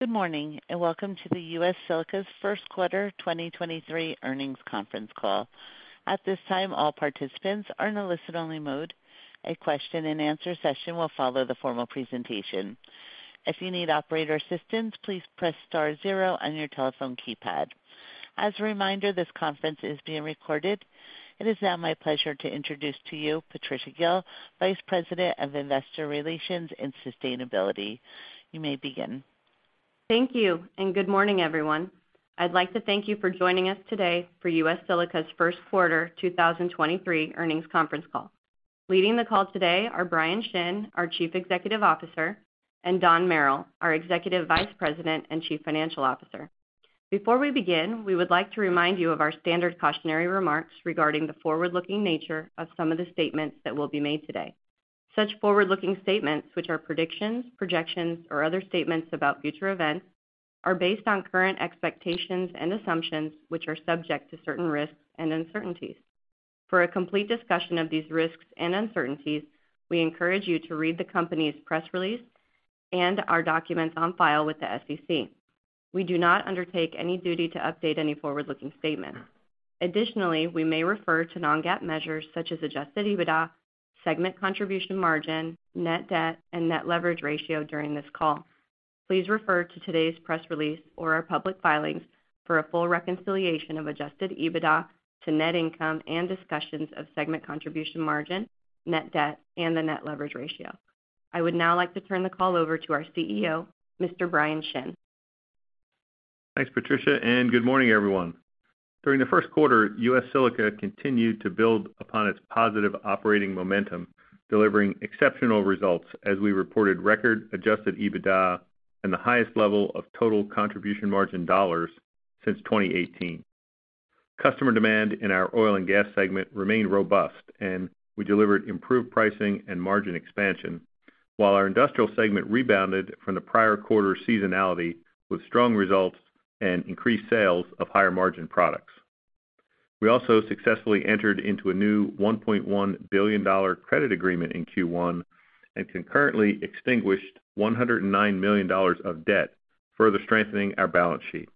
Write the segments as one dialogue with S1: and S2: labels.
S1: Good morning, and welcome to the U.S. Silica's first quarter 2023 earnings conference call. At this time, all participants are in a listen-only mode. A question-and-answer session will follow the formal presentation. If you need operator assistance, please press star zero on your telephone keypad. As a reminder, this conference is being recorded. It is now my pleasure to introduce to you Patricia Gil, Vice President of Investor Relations and Sustainability. You may begin.
S2: Thank you. Good morning, everyone. I'd like to thank you for joining us today for U.S. Silica's first-quarter 2023 earnings conference call. Leading the call today are Bryan Shinn, our Chief Executive Officer, and Don Merrill, our Executive Vice President and Chief Financial Officer. Before we begin, we would like to remind you of our standard cautionary remarks regarding the forward-looking nature of some of the statements that will be made today. Such forward-looking statements, which are predictions, projections, or other statements about future events, are based on current expectations and assumptions, which are subject to certain risks and uncertainties. For a complete discussion of these risks and uncertainties, we encourage you to read the company's press release and our documents on file with the SEC. We do not undertake any duty to update any forward-looking statement. Additionally, we may refer to non-GAAP measures such as adjusted EBITDA, segment contribution margin, net debt, and net leverage ratio during this call. Please refer to today's press release or our public filings for a full reconciliation of adjusted EBITDA to net income and discussions of segment contribution margin, net debt, and the net leverage ratio. I would now like to turn the call over to our CEO, Mr. Bryan Shinn.
S3: Thanks, Patricia, good morning, everyone. During the first quarter, U.S. Silica continued to build upon its positive operating momentum, delivering exceptional results as we reported record adjusted EBITDA and the highest level of total contribution margin dollars since 2018. Customer demand in our oil and gas segment remained robust, we delivered improved pricing and margin expansion, while our industrial segment rebounded from the prior quarter seasonality with strong results and increased sales of higher-margin products. We also successfully entered into a new $1.1 billion credit agreement in Q1 and concurrently extinguished $109 million of debt, further strengthening our balance sheet.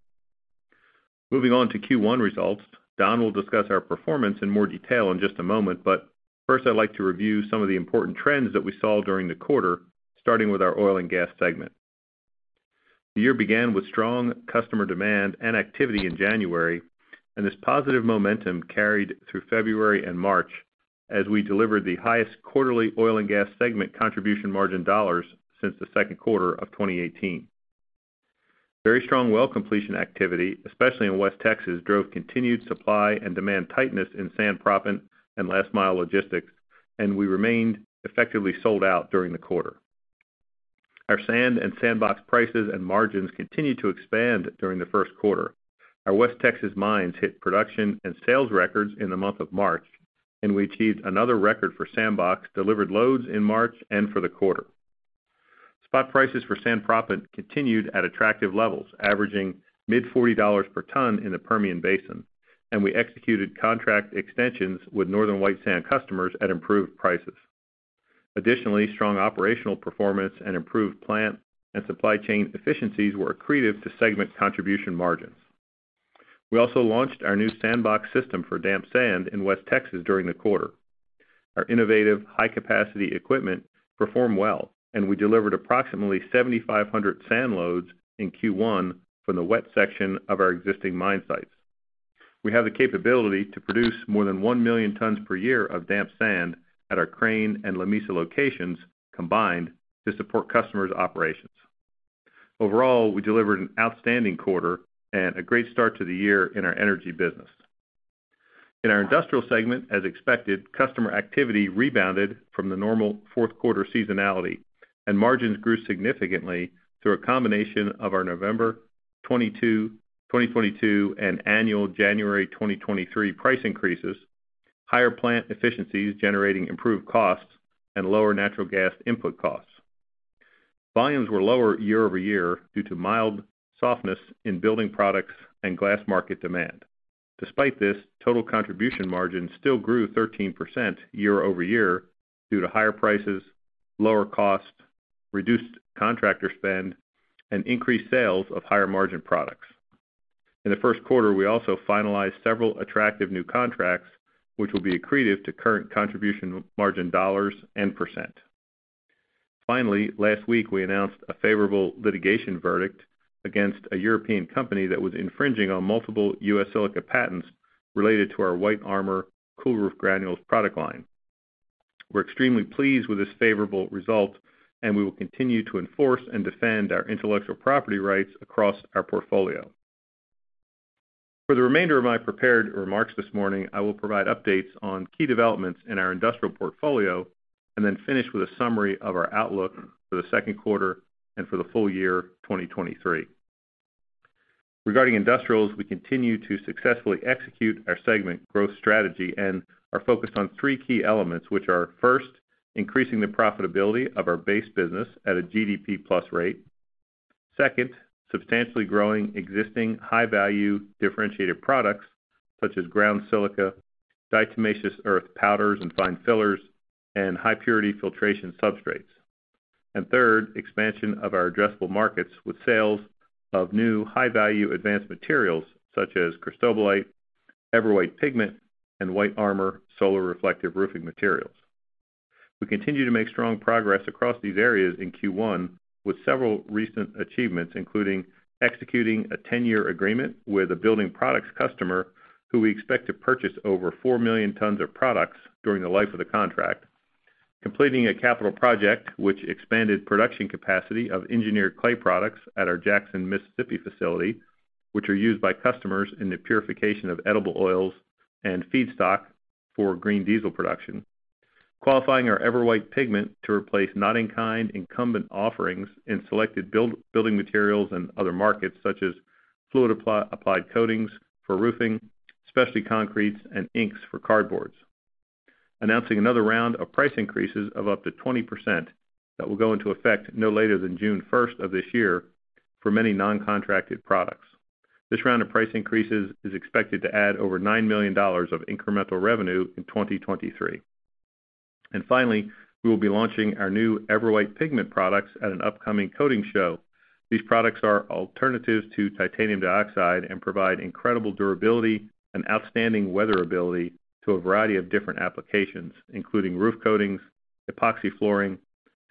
S3: Moving on to Q1 results, Don will discuss our performance in more detail in just a moment. First, I'd like to review some of the important trends that we saw during the quarter, starting with our oil and gas segment. The year began with strong customer demand and activity in January. This positive momentum carried through February and March as we delivered the highest quarterly oil and gas segment contribution margin dollars since the second quarter of 2018. Very strong well completion activity, especially in West Texas, drove continued supply and demand tightness in sand proppant and last-mile logistics. We remained effectively sold out during the quarter. Our sand and SandBox prices and margins continued to expand during the first quarter. Our West Texas mines hit production and sales records in the month of March. We achieved another record for SandBox delivered loads in March and for the quarter. Spot prices for sand proppant continued at attractive levels, averaging mid $40 per ton in the Permian Basin. We executed contract extensions with Northern White Sand customers at improved prices. Additionally, strong operational performance and improved plant and supply chain efficiencies were accretive to segment contribution margins. We also launched our new SandBox system for damp sand in West Texas during the quarter. Our innovative, high-capacity equipment performed well. We delivered approximately 7,500 sand loads in Q1 from the wet section of our existing mine sites. We have the capability to produce more than 1 million tons per year of damp sand at our crane and Lamesa locations combined to support customers' operations. Overall, we delivered an outstanding quarter and a great start to the year in our energy business. In our industrial segment, as expected, customer activity rebounded from the normal fourth quarter seasonality, and margins grew significantly through a combination of our November 22, 2022 and annual January 2023 price increases, higher plant efficiencies generating improved costs, and lower natural gas input costs. Volumes were lower year-over-year due to mild softness in building products and glass market demand. Despite this, total contribution margins still grew 13% year-over-year due to higher prices, lower costs, reduced contractor spend, and increased sales of higher-margin products. In the first quarter, we also finalized several attractive new contracts, which will be accretive to current contribution margin dollars and percent. Finally, last week we announced a favorable litigation verdict against a European company that was infringing on multiple U.S. Silica patents related to our White Armor Cool Roof Granules product line. We're extremely pleased with this favorable result, and we will continue to enforce and defend our intellectual property rights across our portfolio. For the remainder of my prepared remarks this morning, I will provide updates on key developments in our industrial portfolio and then finish with a summary of our outlook for the second quarter and for the full year 2023. Regarding industrials, we continue to successfully execute our segment growth strategy and are focused on three key elements, which are, first, increasing the profitability of our base business at a GDP+ rate; second, substantially growing existing high-value differentiated products, such as ground silica, diatomaceous earth powders and fine fillers, and high purity filtration substrates. Third, expansion of our addressable markets with sales of new high-value advanced materials such as Cristobalite, EverWhite pigment, and White Armor solar reflective roofing materials. We continue to make strong progress across these areas in Q1, with several recent achievements, including executing a 10-year agreement with a building products customer who we expect to purchase over 4 million tons of products during the life of the contract. Completing a capital project which expanded production capacity of engineered clay products at our Jackson, Mississippi facility, which are used by customers in the purification of edible oils and feedstock for green diesel production. Qualifying our EverWhite pigment to replace not in kind incumbent offerings in selected building materials and other markets such as fluid applied coatings for roofing, specialty concretes, and inks for cardboards. Announcing another round of price increases of up to 20% that will go into effect no later than June 1st of this year for many non-contracted products. This round of price increases is expected to add over $9 million of incremental revenue in 2023. Finally, we will be launching our new EverWhite pigment products at an upcoming coating show. These products are alternatives to titanium dioxide and provide incredible durability and outstanding weatherability to a variety of different applications, including roof coatings, epoxy flooring,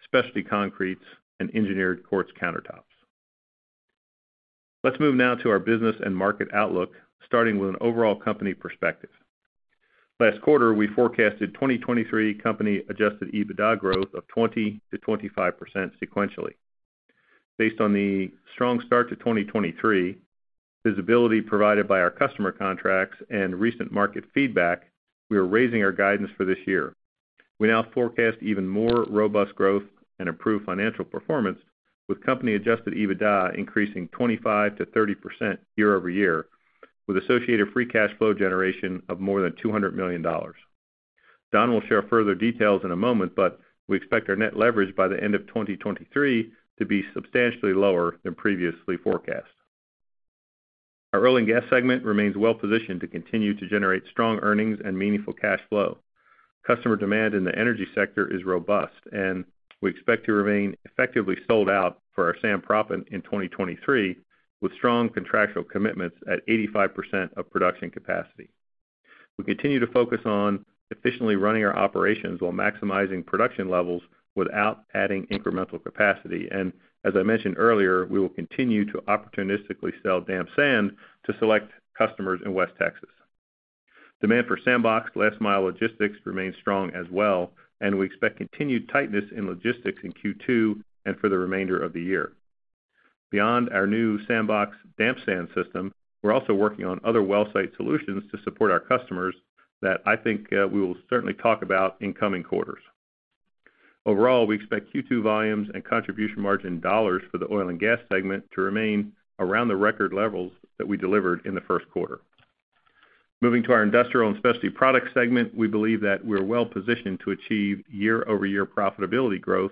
S3: specialty concretes, and engineered quartz countertops. Let's move now to our business and market outlook, starting with an overall company perspective. Last quarter, we forecasted 2023 company adjusted EBITDA growth of 20%-25% sequentially. Based on the strong start to 2023, visibility provided by our customer contracts and recent market feedback, we are raising our guidance for this year. We now forecast even more robust growth and improved financial performance with company adjusted EBITDA increasing 25%-30% year-over-year, with associated free cash flow generation of more than $200 million. Don will share further details in a moment, but we expect our net leverage by the end of 2023 to be substantially lower than previously forecast. Our oil and gas segment remains well-positioned to continue to generate strong earnings and meaningful cash flow. Customer demand in the energy sector is robust, and we expect to remain effectively sold out for our sand proppant in 2023, with strong contractual commitments at 85% of production capacity. We continue to focus on efficiently running our operations while maximizing production levels without adding incremental capacity. As I mentioned earlier, we will continue to opportunistically sell damp sand to select customers in West Texas. Demand for SandBox last mile logistics remains strong as well, and we expect continued tightness in logistics in Q2 and for the remainder of the year. Beyond our new SandBox damp sand system, we're also working on other well site solutions to support our customers that I think we will certainly talk about in coming quarters. Overall, we expect Q2 volumes and contribution margin dollars for the oil and gas segment to remain around the record levels that we delivered in the first quarter. Moving to our industrial and specialty products segment, we believe that we're well-positioned to achieve year-over-year profitability growth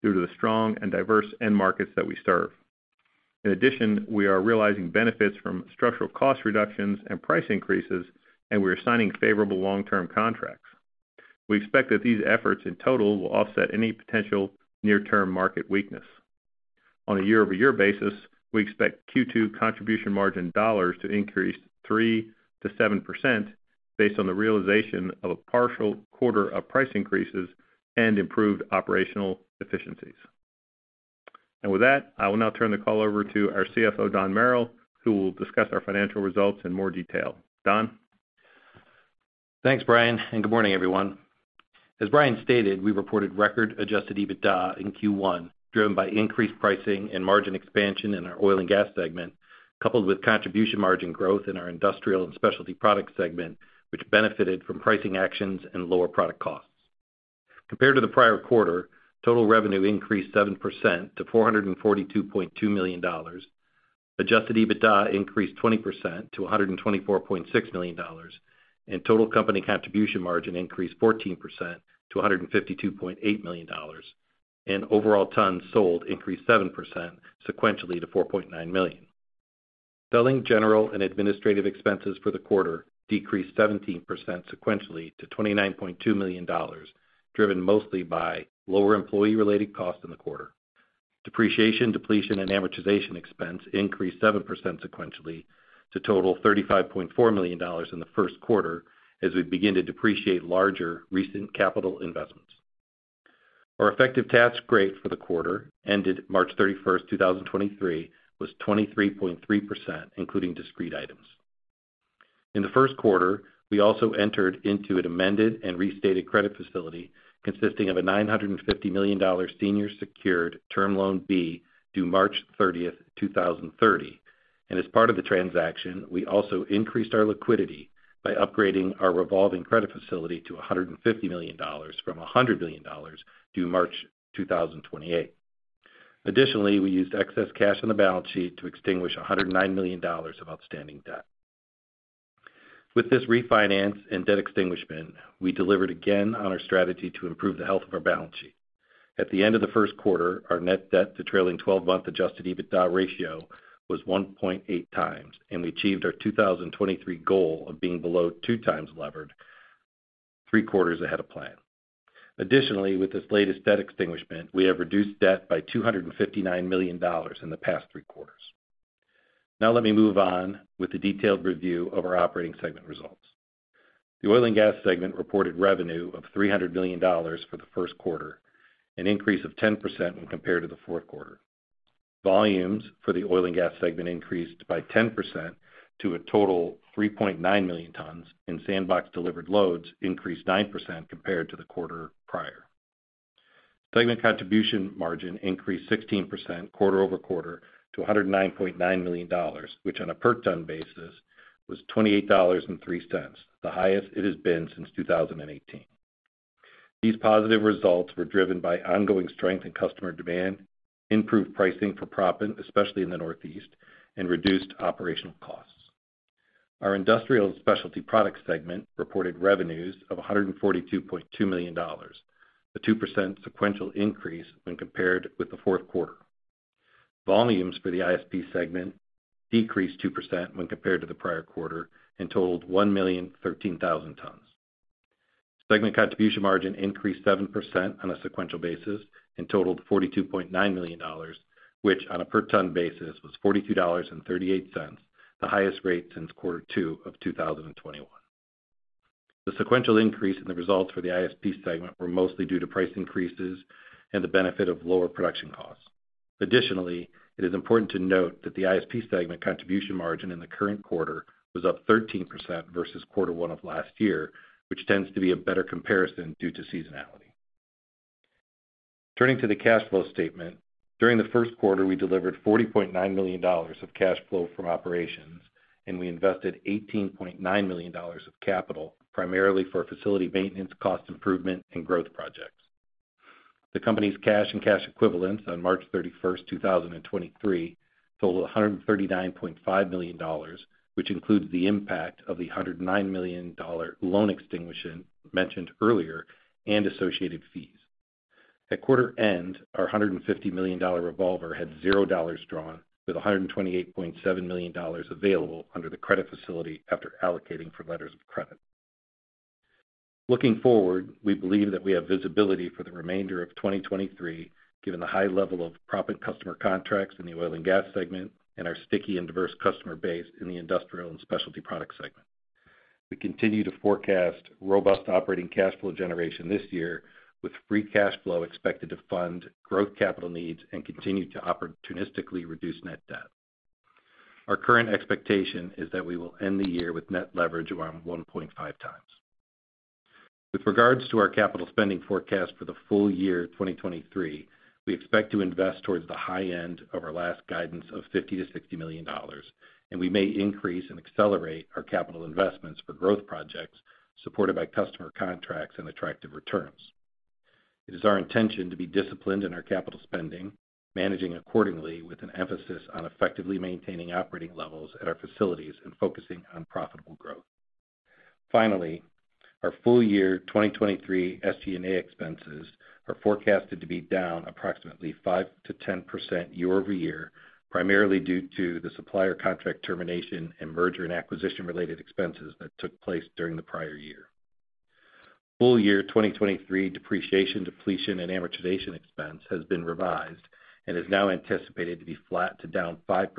S3: due to the strong and diverse end markets that we serve. In addition, we are realizing benefits from structural cost reductions and price increases. We are signing favorable long-term contracts. We expect that these efforts in total will offset any potential near-term market weakness. On a year-over-year basis, we expect Q2 Contribution Margin dollars to increase 3%-7% based on the realization of a partial quarter of price increases and improved operational efficiencies. With that, I will now turn the call over to our CFO, Don Merril, who will discuss our financial results in more detail. Don?
S4: Thanks, Bryan, and good morning, everyone. As Bryan stated, we reported record adjusted EBITDA in Q1, driven by increased pricing and margin expansion in our oil and gas segment, coupled with contribution margin growth in our industrial and specialty products segment, which benefited from pricing actions and lower product costs. Compared to the prior quarter, total revenue increased 7% to $442.2 million. Adjusted EBITDA increased 20% to $124.6 million. Total company contribution margin increased 14% to $152.8 million. Overall tons sold increased 7% sequentially to 4.9 million. Selling, General and Administrative Expenses for the quarter decreased 17% sequentially to $29.2 million, driven mostly by lower employee-related costs in the quarter. Depreciation, depletion, and amortization expense increased 7% sequentially to total $35.4 million in the first quarter as we begin to depreciate larger recent capital investments. Our effective tax rate for the quarter ended March 31st, 2023, was 23.3%, including discrete items. In the first quarter, we also entered into an amended and restated credit facility consisting of a $950 million senior secured Term Loan B, due March 30th, 2030. As part of the transaction, we also increased our liquidity by upgrading our revolving credit facility to $150 million from $100 million due March 2028. Additionally, we used excess cash on the balance sheet to extinguish $109 million of outstanding debt. With this refinance and debt extinguishment, we delivered again on our strategy to improve the health of our balance sheet. At the end of the first quarter, our net debt to trailing twelve-month adjusted EBITDA ratio was 1.8 times, and we achieved our 2023 goal of being below 2 times levered 3 quarters ahead of plan. Additionally, with this latest debt extinguishment, we have reduced debt by $259 million in the past 3 quarters. Let me move on with the detailed review of our operating segment results. The oil and gas segment reported revenue of $300 million for the first quarter, an increase of 10% when compared to the fourth quarter. Volumes for the oil and gas segment increased by 10% to a total 3.9 million tons, and SandBox delivered loads increased 9% compared to the quarter prior. Segment contribution margin increased 16% quarter-over-quarter to $109.9 million, which on a per ton basis was $28.03, the highest it has been since 2018. These positive results were driven by ongoing strength in customer demand, improved pricing for proppant, especially in the Northeast, and reduced operational costs. Our industrial and specialty products segment reported revenues of $142.2 million, a 2% sequential increase when compared with the fourth quarter. Volumes for the ISP segment decreased 2% when compared to the prior quarter and totaled 1,013,000 tons. Segment contribution margin increased 7% on a sequential basis and totaled $42.9 million, which on a per ton basis was $42.38, the highest rate since quarter two of 2021. The sequential increase in the results for the ISP segment were mostly due to price increases and the benefit of lower production costs. Additionally, it is important to note that the ISP segment contribution margin in the current quarter was up 13% versus quarter one of last year, which tends to be a better comparison due to seasonality. Turning to the cash flow statement. During the first quarter, we delivered $40.9 million of cash flow from operations, and we invested $18.9 million of capital primarily for facility maintenance, cost improvement, and growth projects. The company's cash and cash equivalents on March 31, 2023 totaled $139.5 million, which includes the impact of the $109 million loan extinguishment mentioned earlier and associated fees. At quarter end, our $150 million revolver had $0 drawn with $128.7 million available under the credit facility after allocating for letters of credit. Looking forward, we believe that we have visibility for the remainder of 2023, given the high level of proppant customer contracts in the oil and gas segment and our sticky and diverse customer base in the industrial and specialty product segment. We continue to forecast robust operating cash flow generation this year, with free cash flow expected to fund growth capital needs and continue to opportunistically reduce net debt. Our current expectation is that we will end the year with net leverage around 1.5 times. With regards to our capital spending forecast for the full year 2023, we expect to invest towards the high end of our last guidance of $50 million-$60 million, and we may increase and accelerate our capital investments for growth projects supported by customer contracts and attractive returns. It is our intention to be disciplined in our capital spending, managing accordingly with an emphasis on effectively maintaining operating levels at our facilities and focusing on profitable growth. Finally, our full year 2023 SG&A expenses are forecasted to be down approximately 5%-10% year-over-year, primarily due to the supplier contract termination and merger and acquisition-related expenses that took place during the prior year. Full year 2023 depreciation, depletion, and amortization expense has been revised and is now anticipated to be flat to down 5%,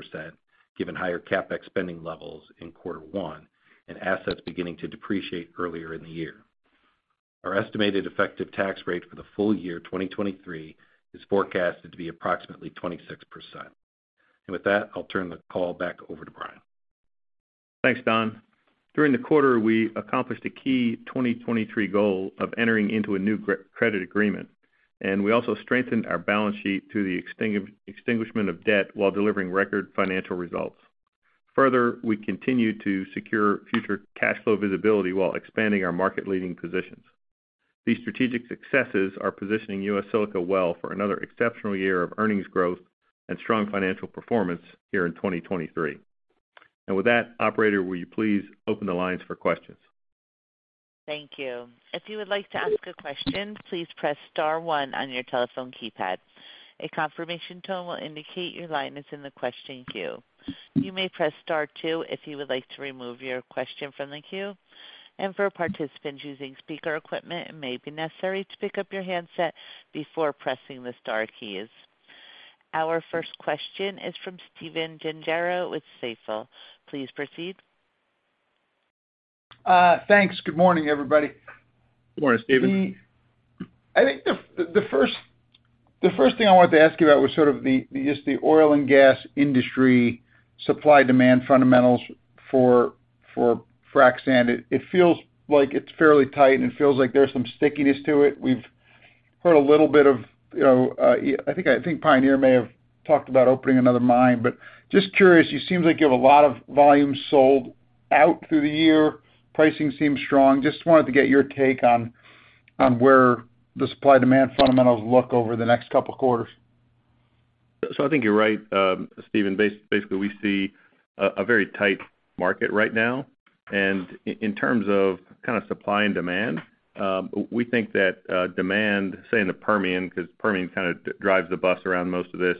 S4: given higher CapEx spending levels in quarter one and assets beginning to depreciate earlier in the year. Our estimated effective tax rate for the full year 2023 is forecasted to be approximately 26%. With that, I'll turn the call back over to Bryan.
S3: Thanks, Don. During the quarter, we accomplished a key 2023 goal of entering into a new credit agreement. We also strengthened our balance sheet through the extinguishment of debt while delivering record financial results. Further, we continue to secure future cash flow visibility while expanding our market-leading positions. These strategic successes are positioning U.S. Silica well for another exceptional year of earnings growth and strong financial performance here in 2023. With that, operator, will you please open the lines for questions?
S1: Thank you. If you would like to ask a question, please press star one on your telephone keypad. A confirmation tone will indicate your line is in the question queue. You may press Star two if you would like to remove your question from the queue. For participants using speaker equipment, it may be necessary to pick up your handset before pressing the star keys. Our first question is from Stephen Gengaro with Stifel. Please proceed.
S5: Thanks. Good morning, everybody.
S3: Good morning, Stephen.
S5: I think the first thing I wanted to ask you about was sort of the oil and gas industry supply-demand fundamentals for frac sand. It feels like it's fairly tight, and it feels like there's some stickiness to it. We've heard a little bit of, you know, I think Pioneer may have talked about opening another mine. Just curious, you seem like you have a lot of volume sold out through the year. Pricing seems strong. Just wanted to get your take on where the supply-demand fundamentals look over the next couple quarters.
S3: I think you're right, Stephen. Basically, we see a very tight market right now. In terms of kind of supply and demand, we think that demand, say in the Permian, 'cause Permian kind of drives the bus around most of this,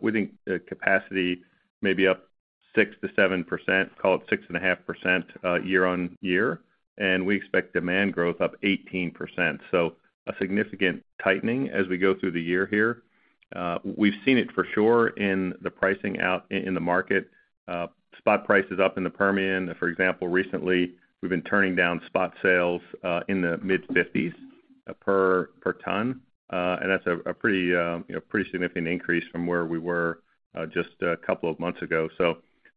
S3: we think capacity may be up 6%-7%, call it 6.5%, year-over-year, and we expect demand growth up 18%. A significant tightening as we go through the year here. We've seen it for sure in the pricing out in the market. Spot prices up in the Permian, for example, recently, we've been turning down spot sales in the mid-$50s per ton. And that's a pretty, you know, pretty significant increase from where we were just a couple of months ago.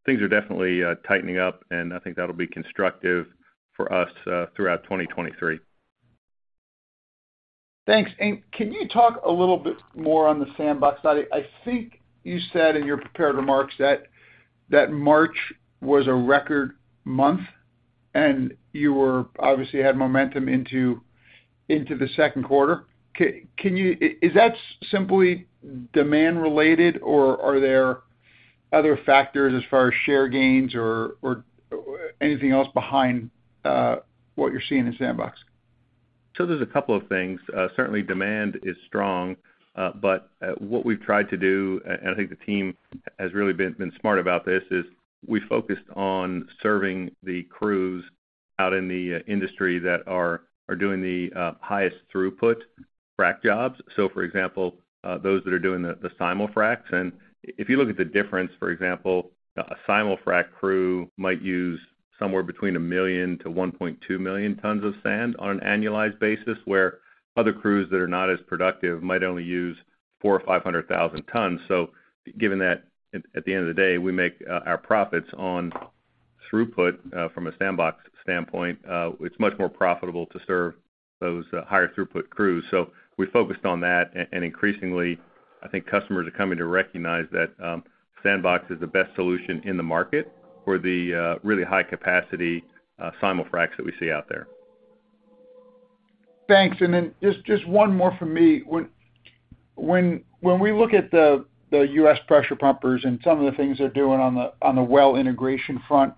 S3: Things are definitely tightening up, and I think that'll be constructive for us throughout 2023.
S5: Thanks. Can you talk a little bit more on the Sandbox side? I think you said in your prepared remarks that March was a record month, and you were obviously had momentum into the second quarter. Is that simply demand related, or are there other factors as far as share gains or anything else behind what you're seeing in Sandbox?
S3: There's a couple of things. Certainly demand is strong, but what we've tried to do, and I think the team has really been smart about this, is we focused on serving the crews out in the industry that are doing the highest throughput frac jobs. For example, those that are doing simulfracs. If you look at the difference, for example, a simulfrac crew might use somewhere between 1 million to 1.2 million tons of sand on an annualized basis, where other crews that are not as productive might only use 400,000-500,000 tons. Given that at the end of the day, we make our profits on throughput, from a SandBox standpoint, it's much more profitable to serve those higher throughput crews. We focused on that and increasingly, I think customers are coming to recognize that, SandBox is the best solution in the market for the really high capacity simul-fracs that we see out there.
S5: Thanks. Then just one more for me. When we look at the U.S. pressure pumpers and some of the things they're doing on the well integration front,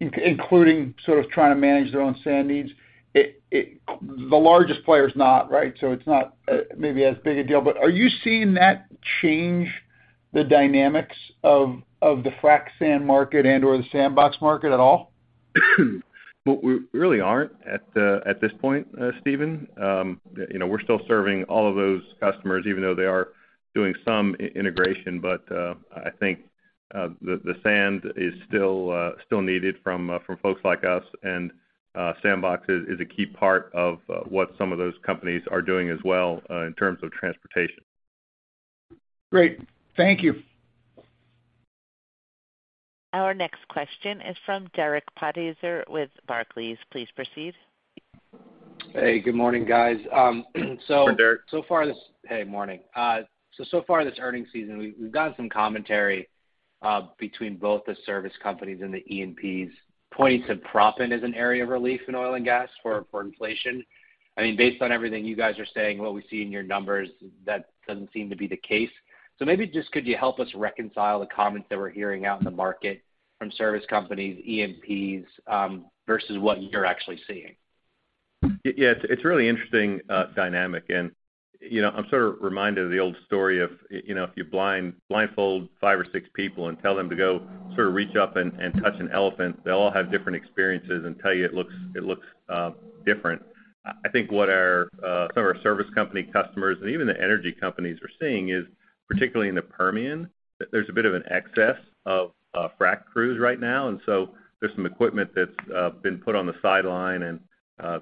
S5: including sort of trying to manage their own sand needs. The largest player's not, right? it's not maybe as big a deal. Are you seeing that change the dynamics of the frac sand market and/or the SandBox market at all?
S3: Well, we really aren't at this point, Stephen. You know, we're still serving all of those customers, even though they are doing some integration. I think the sand is still needed from folks like us. SandBox is a key part of what some of those companies are doing as well in terms of transportation.
S5: Great. Thank you.
S1: Our next question is from Derek Podhaizer with Barclays. Please proceed.
S6: Hey, good morning, guys.
S3: Good morning, Derek.
S6: Hey, morning. Far this earnings season, we've gotten some commentary, between both the service companies and the E&Ps, pointing to proppant as an area of relief in oil and gas for inflation. I mean, based on everything you guys are saying, what we see in your numbers, that doesn't seem to be the case. Maybe just could you help us reconcile the comments that we're hearing out in the market from service companies, E&Ps, versus what you're actually seeing?
S3: Yeah, it's really interesting, dynamic. You know, I'm sort of reminded of the old story of, you know, if you blindfold 5 or 6 people and tell them to go sort of reach up and touch an elephant, they'll all have different experiences and tell you it looks different. I think what our, some of our service company customers and even the energy companies are seeing is, particularly in the Permian, that there's a bit of an excess of frac crews right now. So there's some equipment that's been put on the sideline and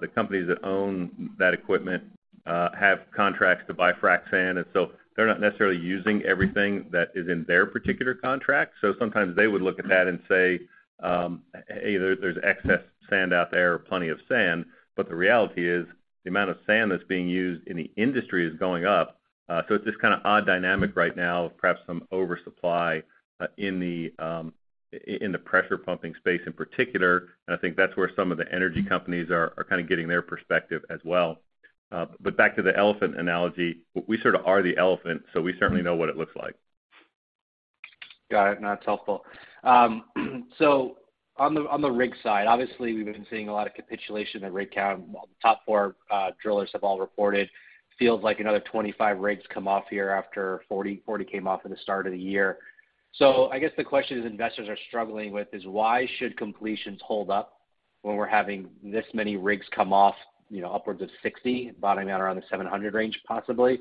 S3: the companies that own that equipment have contracts to buy frac sand. So they're not necessarily using everything that is in their particular contract. Sometimes they would look at that and say, hey, there's excess sand out there or plenty of sand. The reality is the amount of sand that's being used in the industry is going up. It's this kind of odd dynamic right now of perhaps some oversupply in the pressure pumping space in particular. I think that's where some of the energy companies are kind of getting their perspective as well. Back to the elephant analogy, we sort of are the elephant, so we certainly know what it looks like.
S6: Got it. No, it's helpful. On the, on the rig side, obviously we've been seeing a lot of capitulation in rig count. Top four drillers have all reported. Feels like another 25 rigs come off here after 40 came off at the start of the year. I guess the question investors are struggling with is why should completions hold up when we're having this many rigs come off, you know, upwards of 60, bottoming out around the 700 range, possibly?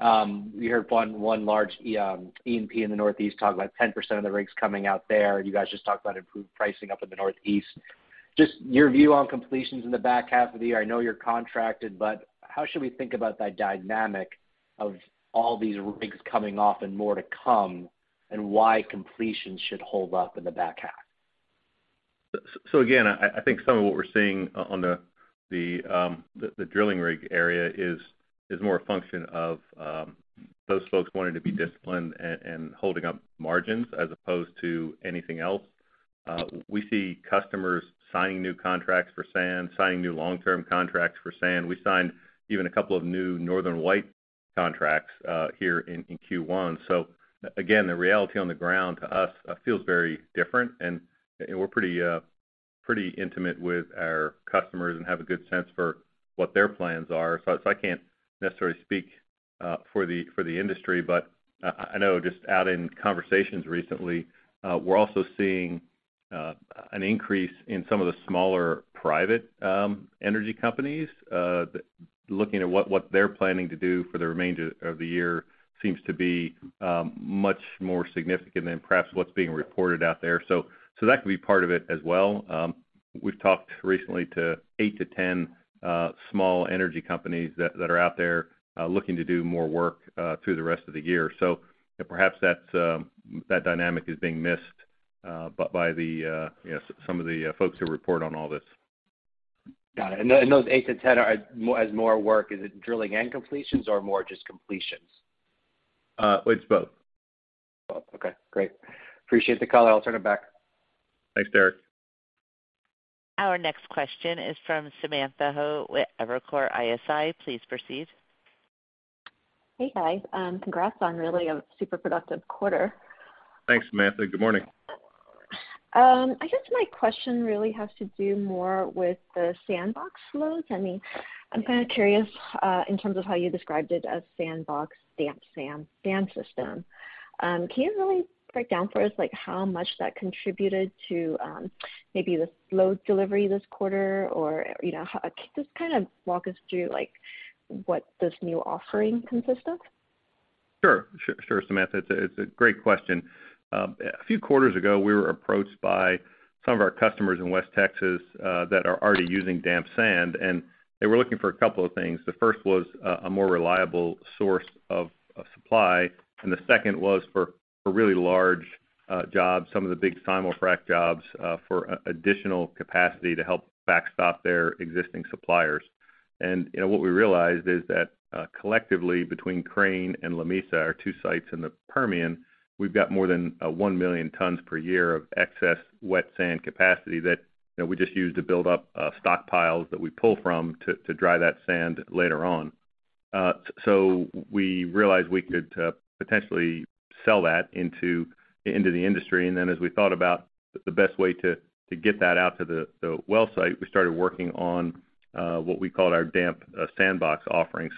S6: We heard one large E&P in the Northeast talk about 10% of the rigs coming out there. You guys just talked about improved pricing up in the Northeast. Just your view on completions in the back half of the year. I know you're contracted, how should we think about that dynamic of all these rigs coming off and more to come, and why completions should hold up in the back half?
S3: Again, I think some of what we're seeing on the drilling rig area is more a function of those folks wanting to be disciplined and holding up margins as opposed to anything else. We see customers signing new contracts for sand, signing new long-term contracts for sand. We signed even a couple of new Northern White contracts here in Q1. Again, the reality on the ground to us feels very different, and we're pretty intimate with our customers and have a good sense for what their plans are. I can't necessarily speak for the industry, but I know just out in conversations recently, we're also seeing an increase in some of the smaller private energy companies that looking at what they're planning to do for the remainder of the year seems to be much more significant than perhaps what's being reported out there. That could be part of it as well. We've talked recently to 8-10 small energy companies that are out there looking to do more work through the rest of the year. Perhaps that dynamic is being missed by the, you know, some of the folks who report on all this.
S6: Got it. Those 8-10 are, has more work. Is it drilling and completions or more just completions?
S3: It's both.
S6: Both. Okay, great. Appreciate the color. I'll turn it back.
S3: Thanks, Derek.
S1: Our next question is from Samantha Hoh with Evercore ISI. Please proceed.
S7: Hey, guys. congrats on really a super productive quarter.
S3: Thanks, Samantha. Good morning.
S7: I guess my question really has to do more with the SandBox loads. I mean, I'm kinda curious, in terms of how you described it as SandBox damp sand system. Can you really break down for us, like, how much that contributed to, maybe the load delivery this quarter? You know, just kinda walk us through, like, what this new offering consists of.
S3: Sure. Sure, Samantha. It's a great question. A few quarters ago, we were approached by some of our customers in West Texas that are already using damp sand. They were looking for a couple of things. The first was a more reliable source of supply. The second was for really large jobs, some of the big simulfrac jobs, for additional capacity to help backstop their existing suppliers. You know, what we realized is that collectively, between Crane and Lamesa are two sites in the Permian. We've got more than 1 million tons per year of excess wet sand capacity that, you know, we just use to build up stockpiles that we pull from to dry that sand later on. We realized we could potentially sell that into the industry. Then as we thought about the best way to get that out to the well site, we started working on what we call our damp SandBox offering.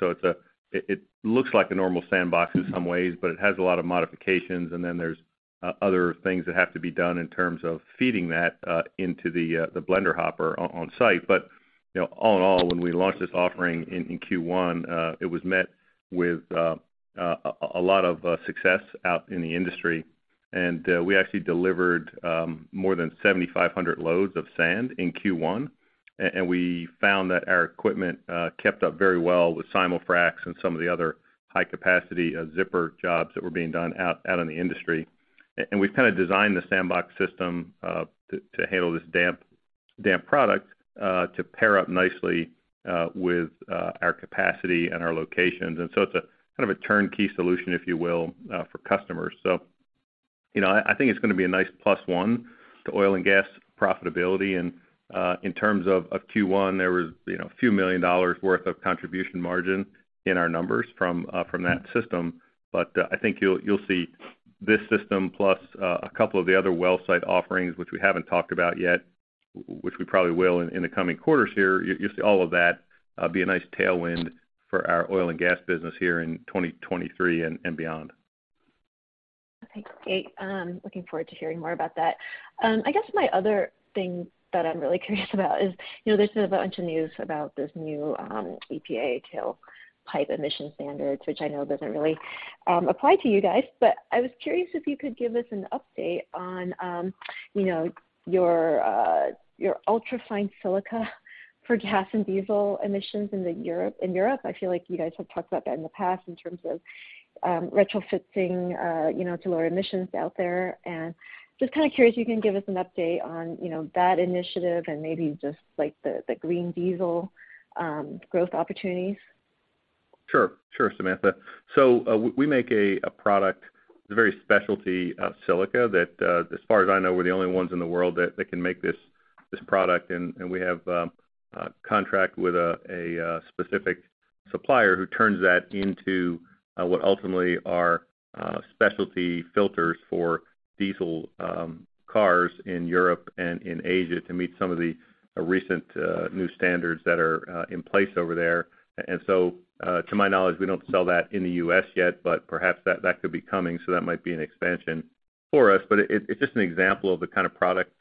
S3: It looks like a normal SandBox in some ways, but it has a lot of modifications, and then there's other things that have to be done in terms of feeding that into the blender hopper on site. You know, all in all, when we launched this offering in Q1, it was met with a lot of success out in the industry. We actually delivered more than 7,500 loads of sand in Q1. We found that our equipment kept up very well with simulfracs and some of the other high capacity zipper jobs that were being done in the industry. We've kinda designed the SandBox system to handle this damp sand to pair up nicely with our capacity and our locations. It's a kind of a turnkey solution, if you will, for customers. You know, I think it's gonna be a nice plus one to oil and gas profitability. In terms of Q1, there was, you know, a few million dollars worth of contribution margin in our numbers from that system. I think you'll see this system plus, a couple of the other well site offerings, which we haven't talked about yet, which we probably will in the coming quarters here. You'll see all of that, be a nice tailwind for our oil and gas business here in 2023 and beyond.
S7: Okay, great. Looking forward to hearing more about that. I guess my other thing that I'm really curious about is, you know, there's been a bunch of news about this new EPA tailpipe emission standards, which I know doesn't really apply to you guys. I was curious if you could give us an update on, you know, your ultra-fine silica for gas and diesel emissions in Europe. I feel like you guys have talked about that in the past in terms of retrofitting, you know, to lower emissions out there. Just kinda curious if you can give us an update on, you know, that initiative and maybe just like the green diesel growth opportunities.
S3: Sure. Sure, Samantha. We make a product, it's a very specialty silica that, as far as I know, we're the only ones in the world that can make this product. We have a contract with a specific supplier who turns that into what ultimately are specialty filters for diesel cars in Europe and in Asia to meet some of the recent new standards that are in place over there. To my knowledge, we don't sell that in the U.S. yet, but perhaps that could be coming, so that might be an expansion for us. It's just an example of the kind of product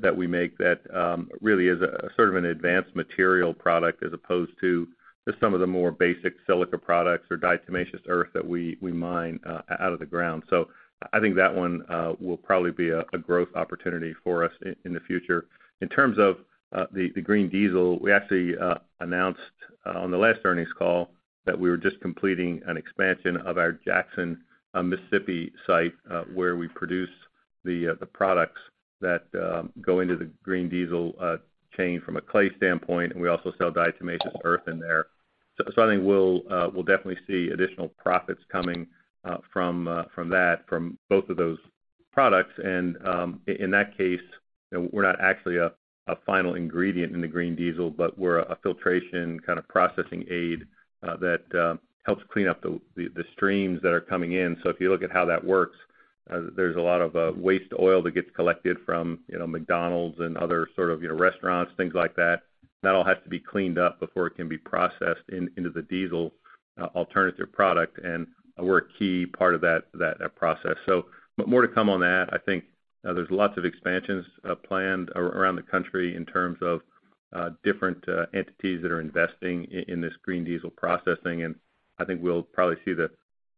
S3: that we make that really is a sort of an advanced material product as opposed to just some of the more basic silica products or diatomaceous earth that we mine out of the ground. I think that one will probably be a growth opportunity for us in the future. In terms of the green diesel, we actually announced on the last earnings call that we were just completing an expansion of our Jackson, Mississippi site, where we produce the products that go into the green diesel chain from a clay standpoint, and we also sell diatomaceous earth in there. So I think we'll definitely see additional profits coming from that, from both of those products. In that case, you know, we're not actually a final ingredient in the green diesel, but we're a filtration kind of processing aid that helps clean up the streams that are coming in. If you look at how that works, there's a lot of waste oil that gets collected from, you know, McDonald's and other sort of, you know, restaurants, things like that. That all has to be cleaned up before it can be processed into the diesel alternative product. We're a key part of that process. But more to come on that. I think, you know, there's lots of expansions planned around the country in terms of different entities that are investing in this green diesel processing. I think we'll probably see the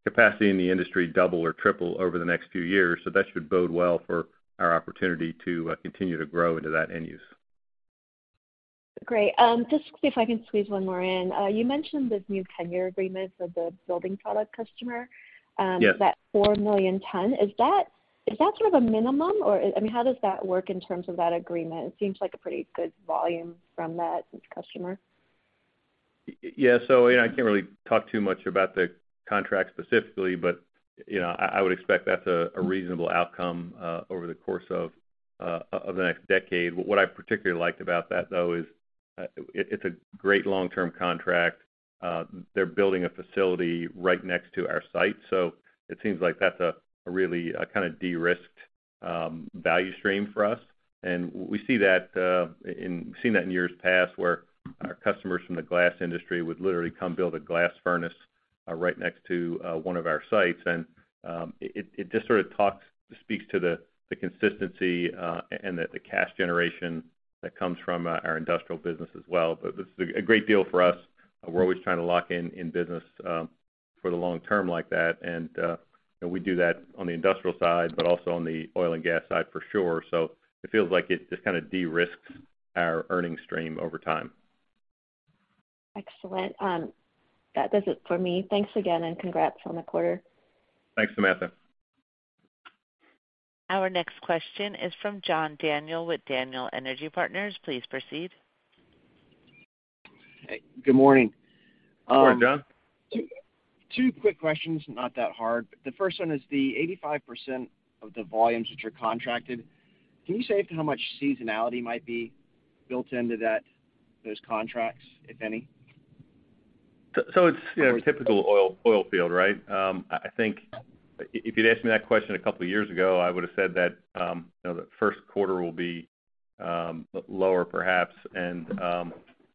S3: capacity in the industry double or triple over the next few years. That should bode well for our opportunity to continue to grow into that end use.
S7: Great. just see if I can squeeze one more in. You mentioned this new 10-year agreement with the building product customer.
S3: Yes.
S7: -that 4 million tons. Is that sort of a minimum or I mean, how does that work in terms of that agreement? It seems like a pretty good volume from that customer.
S3: Yes. You know, I can't really talk too much about the contract specifically, but, you know, I would expect that's a reasonable outcome over the course of the next decade. What I particularly liked about that, though, is it's a great long-term contract. They're building a facility right next to our site, so it seems like that's a really kind of de-risked value stream for us. We see that we've seen that in years past, where our customers from the glass industry would literally come build a glass furnace right next to one of our sites. It just sort of speaks to the consistency and the cash generation that comes from our industrial business as well. This is a great deal for us. We're always trying to lock in business, for the long term like that. You know, we do that on the industrial side, but also on the oil and gas side for sure. It feels like it just kind of de-risks our earnings stream over time.
S7: Excellent. That does it for me. Thanks again and congrats on the quarter.
S3: Thanks, Samantha.
S1: Our next question is from John Daniel with Daniel Energy Partners. Please proceed.
S8: Hey, good morning.
S3: Good morning, John.
S8: Two quick questions, not that hard. The first one is the 85% of the volumes that you're contracted. Can you say to how much seasonality might be built into that, those contracts, if any?
S3: It's, you know, typical oil field, right? I think if you'd asked me that question a couple of years ago, I would have said that, you know, the first quarter will be lower perhaps and,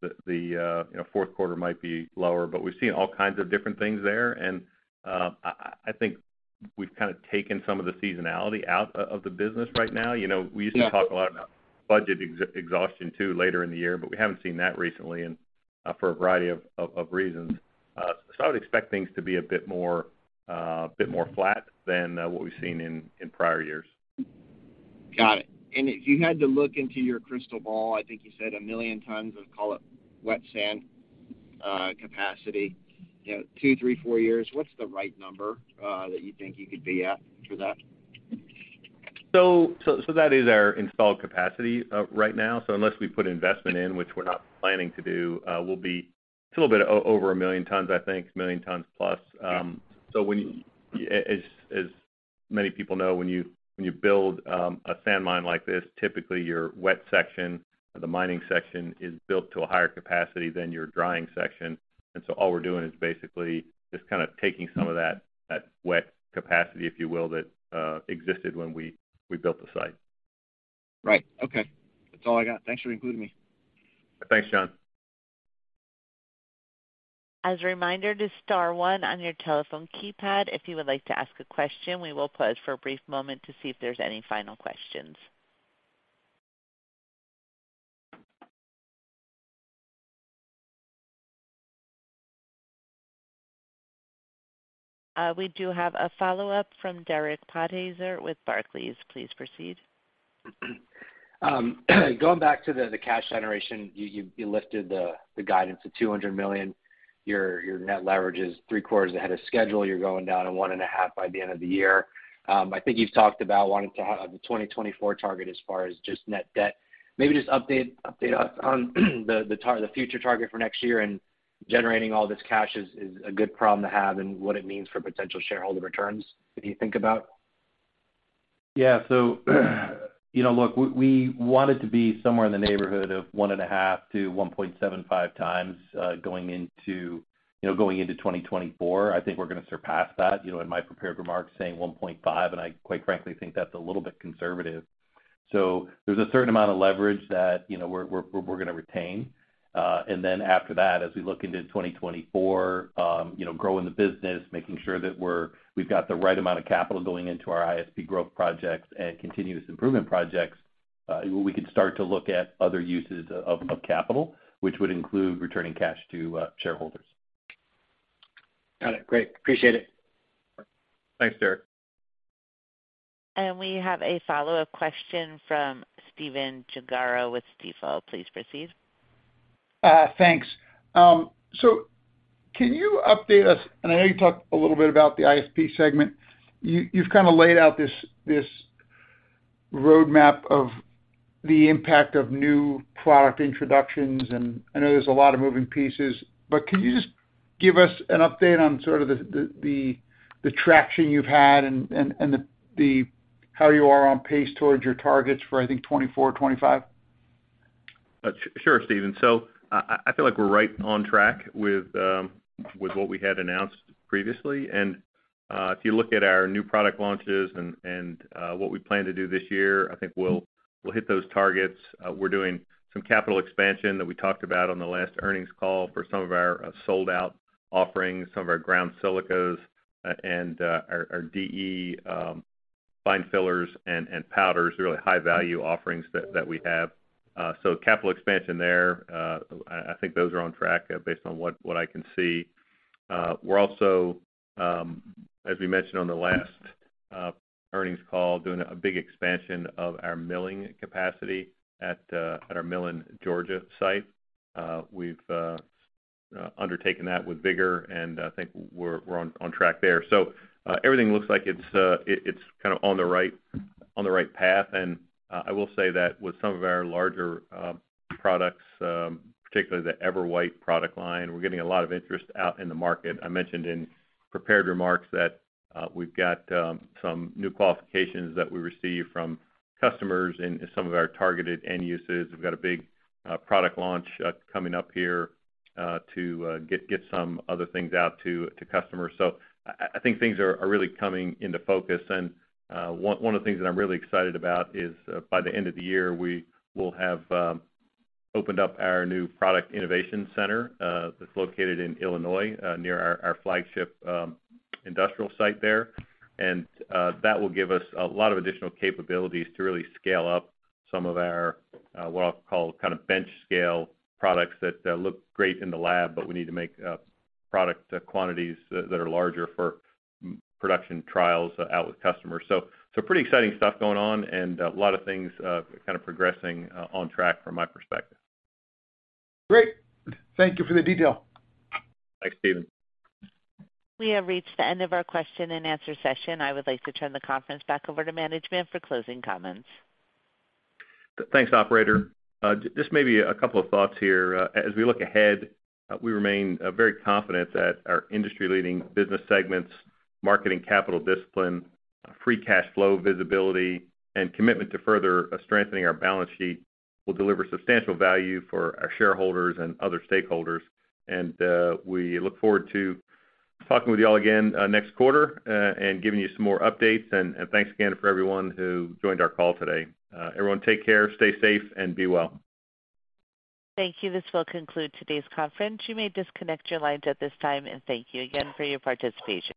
S3: the, you know, fourth quarter might be lower. We've seen all kinds of different things there. I think we've kind of taken some of the seasonality out of the business right now. You know, we used to talk a lot about budget exhaustion too later in the year, but we haven't seen that recently and, for a variety of reasons. I would expect things to be a bit more flat than what we've seen in prior years.
S8: Got it. If you had to look into your crystal ball, I think you said 1 million tons of, call it, wet sand capacity, you know, 2, 3, 4 years, what's the right number that you think you could be at for that?
S3: That is our installed capacity right now. Unless we put investment in, which we're not planning to do, it's a little bit over 1 million tons, I think, 1 million tons plus. As many people know, when you build a sand mine like this, typically your wet section or the mining section is built to a higher capacity than your drying section. All we're doing is basically just kind of taking some of that wet capacity, if you will, that existed when we built the site.
S8: Right. Okay. That's all I got. Thanks for including me.
S3: Thanks, John.
S1: As a reminder to star one on your telephone keypad, if you would like to ask a question. We will pause for a brief moment to see if there's any final questions. We do have a follow-up from Derek Podhaizer with Barclays. Please proceed.
S6: Going back to the cash generation. You lifted the guidance to $200 million. Your net leverage is three quarters ahead of schedule. You're going down to 1.5 by the end of the year. I think you've talked about wanting to have the 2024 target as far as just net debt. Maybe just update us on the future target for next year and generating all this cash is a good problem to have and what it means for potential shareholder returns. Do you think about?
S3: Yeah. You know, look, we wanted to be somewhere in the neighborhood of 1.5x-1.75x, going into, you know, going into 2024. I think we're gonna surpass that. You know, in my prepared remarks saying 1.5, and I quite frankly think that's a little bit conservative. There's a certain amount of leverage that, you know, we're gonna retain. Then after that, as we look into 2024, you know, growing the business, making sure that we've got the right amount of capital going into our ISP growth projects and continuous improvement projects, we could start to look at other uses of capital, which would include returning cash to shareholders.
S6: Got it. Great. Appreciate it.
S3: Thanks, Derek.
S1: We have a follow-up question from Stephen Gengaro with Stifel. Please proceed.
S5: Thanks. Can you update us, and I know you talked a little bit about the ISP segment. You, you've kinda laid out this Roadmap of the impact of new product introductions, and I know there's a lot of moving pieces, but can you just give us an update on sort of the traction you've had and the how you are on pace towards your targets for, I think, 2024, 2025?
S3: Sure, Steven. I feel like we're right on track with what we had announced previously. If you look at our new product launches and what we plan to do this year, I think we'll hit those targets. We're doing some capital expansion that we talked about on the last earnings call for some of our sold-out offerings, some of our ground silicas, and our DE fine fillers and powders, really high-value offerings that we have. Capital expansion there, I think those are on track based on what I can see. We're also, as we mentioned on the last earnings call, doing a big expansion of our milling capacity at our Millen, Georgia site. We've undertaken that with vigor, and I think we're on track there. Everything looks like it's kinda on the right, on the right path. I will say that with some of our larger products, particularly the EverWhite product line, we're getting a lot of interest out in the market. I mentioned in prepared remarks that we've got some new qualifications that we received from customers in some of our targeted end uses. We've got a big product launch coming up here to get some other things out to customers. I think things are really coming into focus. ` tags. Here's the corrected and formatted transcript: One of the things that I'm really excited about is by the end of the year, we will have opened up our new product innovation center that's located in Illinois near our flagship industrial site there. That will give us a lot of additional capabilities to really scale up some of our what I'll call kind of bench scale products that look great in the lab, but we need to make product quantities that are larger for production trials out with customers. Pretty exciting stuff going on and a lot of things kind of progressing on track from my perspective.
S5: Great. Thank you for the detail.
S3: Thanks, Stephen.
S1: We have reached the end of our question-and-answer session. I would like to turn the conference back over to management for closing comments.
S3: Thanks, operator. Just maybe a couple of thoughts here. As we look ahead, we remain very confident that our industry-leading business segments, marketing capital discipline, free cash flow visibility, and commitment to further strengthening our balance sheet will deliver substantial value for our shareholders and other stakeholders. We look forward to talking with you all again next quarter, and giving you some more updates. Thanks again for everyone who joined our call today. Everyone take care, stay safe, and be well.
S1: Thank you. This will conclude today's conference. You may disconnect your lines at this time. Thank you again for your participation.